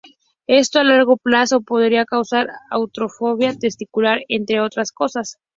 Esto a largo plazo podría causar atrofia testicular, entre otras cosas.